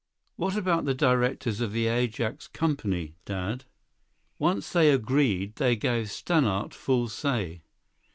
"What about the directors of the Ajax Company, Dad?" "Once they agreed, they gave Stannart full say.